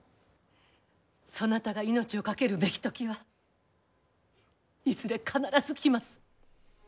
そなたが命を懸けるべき時はいずれ必ず来ます。